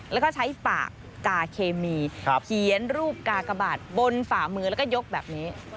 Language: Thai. แล้วก็ใช้ปากกาเคมีเขียนรูปกากบาทบนฝ่ามือแล้วก็ยกแบบนี้